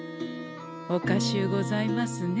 おかしゅうございますねえ。